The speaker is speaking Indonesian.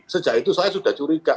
sejak itu saya sudah curiga